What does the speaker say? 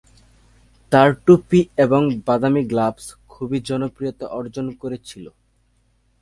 তার টুপি এবং বাদামী গ্লাভস খুবই জনপ্রিয়তা অর্জন করেছিল।